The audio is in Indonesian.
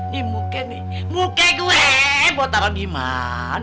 nih mukanya nih mukanya gue buat taro dimana